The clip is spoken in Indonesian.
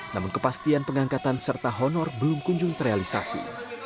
namun kepastian pengangkatan serta honor belum kunjung terrealisasi